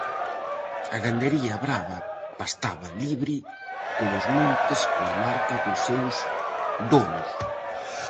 A gandería brava pastaba libre polos montes coa marca dos seus donos.